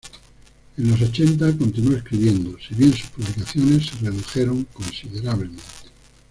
En los ochenta, continuó escribiendo, si bien sus publicaciones se redujeron considerablemente.